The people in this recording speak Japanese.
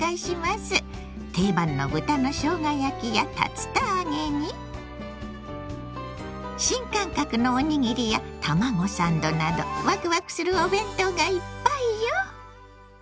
定番の豚のしょうが焼きや竜田揚げに新感覚のおにぎりや卵サンドなどわくわくするお弁当がいっぱいよ！